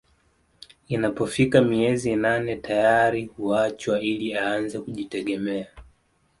Inapofika miezi nane tayari huachwa ili aanze kujitegemea